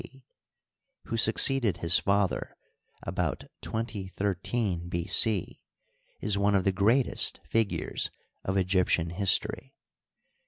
c), who succeeded his father about 2013 B. C, is one of the great est figures of Egyptian history.